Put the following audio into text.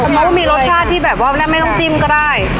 เราก็มีรสชาติที่แบบว่าไม่ต้องชิมก็ได้